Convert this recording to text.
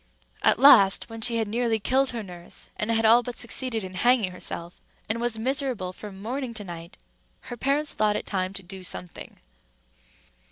At last, when she had nearly killed her nurse, and had all but succeeded in hanging herself, and was miserable from morning to night, her parents thought it time to do something.